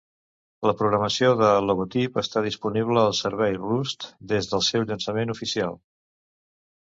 La programació de logotip està disponible al servei Roost des del seu llançament oficial.